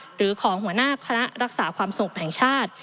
หรือของหัวหน้าคณะรักษาความสงบแห่งชาติ